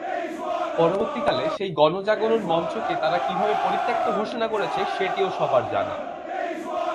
পরবর্তীকালে সেই গণজাগরণ মঞ্চকে তারা কীভাবে পরিত্যক্ত ঘোষণা করেছে, সেটিও সবার জানা।